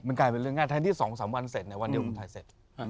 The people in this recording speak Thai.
มันกลายเป็นเรื่องง่ายทันที่สองสามวันเสร็จเนี่ยวันเดียวผมถ่ายเสร็จ